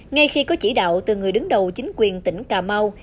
ngay khi có chỉ đạo từ người đứng đầu chính quyền tỉnh cà mau